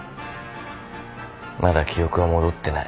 まだ記憶は戻ってない。